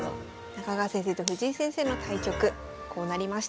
中川先生と藤井先生の対局こうなりました。